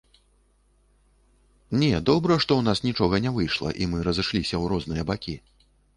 Не, добра, што ў нас нічога не выйшла і мы разышліся ў розныя бакі.